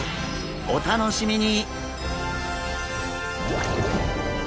お楽しみに！